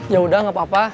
yaudah gak apa apa